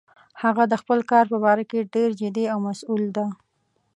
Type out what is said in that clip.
هغه د خپل کار په باره کې ډیر جدي او مسؤل ده